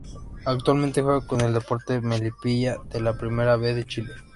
Actualmente juega en el Deportes Melipilla de la Primera B de Chile.